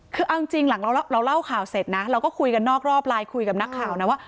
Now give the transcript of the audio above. คือเอาจริงหลังเราเล่าข่าวเสร็จนะเราก็คุยกันนอกรอบไลน์คุยกับนักข่าวนะว่า